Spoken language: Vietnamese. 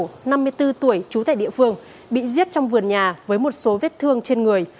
nạn nhân là bà hà thị thiêu năm mươi bốn tuổi trú tại địa phương bị giết trong vườn nhà với một số vết thương trên người